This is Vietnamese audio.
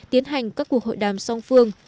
tiến hành các cuộc hội đàm song phương